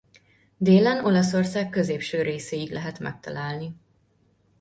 Délen Olaszország középső részéig lehet megtalálni.